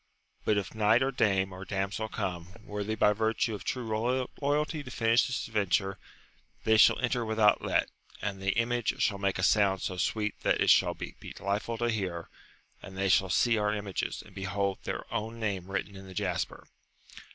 But if knight, or dame, or damsel come, worthy by virtue of true loyalty to finish this adventure, they shall enter without let, and the image shall make a sound so sweet that it shall be delightful to hear, and they shall see our images, and behold their own name written in the jasper.